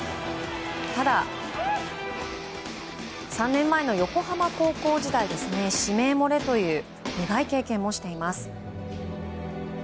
ただ、３年前の横浜高校時代に指名漏れという苦い経験もしています。